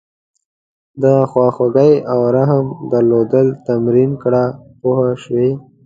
د خواخوږۍ او رحم درلودل تمرین کړه پوه شوې!.